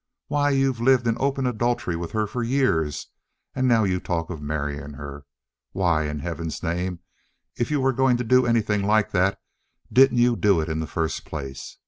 Why, you've lived in open adultery with her for years, and now you talk of marrying her. Why, in heaven's name, if you were going to do anything like that, didn't you do it in the first place?